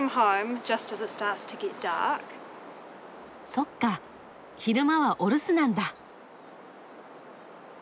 そっか昼間はお留守なんだ。